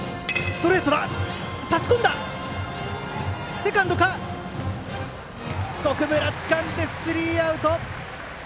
セカンドつかんでスリーアウト。